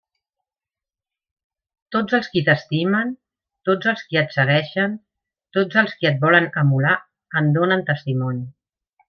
Tots els qui t'estimen, tots els qui et segueixen, tots els qui et volen emular en donen testimoni.